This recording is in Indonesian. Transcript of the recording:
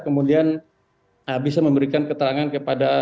kondisi kejiwaannya korban saat ini seperti apa apakah masih dalam keadaan cok